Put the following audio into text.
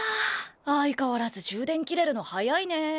相変わらず充電切れるの早いねぇ。